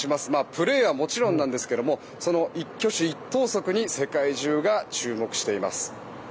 プレーはもちろんですがその一挙手一投足に世界中が注目しています。